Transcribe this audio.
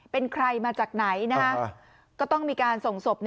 เป็นใครมาจากไหนก็ต้องมีการส่งศพ